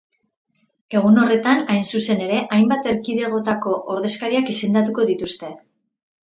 Egun horretan, hain zuzen ere, hainbat erkidegotako ordezkariak izendatuko dituzte.